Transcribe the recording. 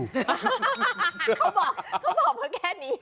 ฮะเค้าบอกเพราะแก้นี้